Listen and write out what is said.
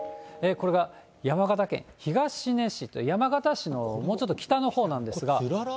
これが山形県東根市という、山形市のもうちょっと北のほうなんですが。